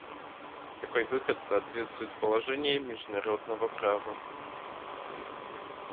Такой выход соответствует положениям международного права.